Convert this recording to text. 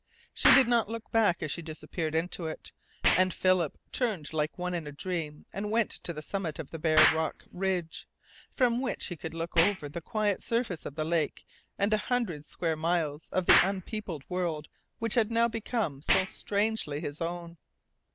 She did not look back as she disappeared into it, and Philip turned like one in a dream and went to the summit of the bare rock ridge, from which he could look over the quiet surface of the lake and a hundred square miles of the unpeopled world which had now become so strangely his own.